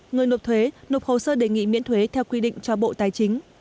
người nộp thuế nộp hồ sơ đề nghị miễn thuế theo quy định cho bộ tài chính